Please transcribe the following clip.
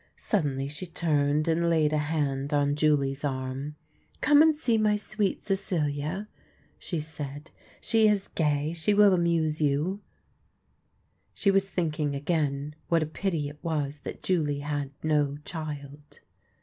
Suddenly she turned, and laid a hand on Julie's arm. " Come and see my sweet Cecilia," she said. " She is gay ; she will amuse you." She was thinking again what a pity it was that Julie had no child.